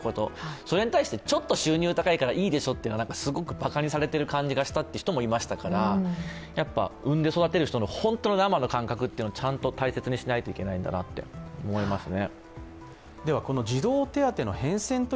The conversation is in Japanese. それに対して、ちょっと収入高いからいいでしょうというのはすごくばかにされている感じもしたという人もいましたから、産んで育てる人の生の感覚はちゃんと大切にしないといけないんだなと思いますね。